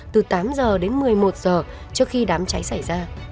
từ tám giờ đến một mươi một giờ trước khi đám cháy xảy ra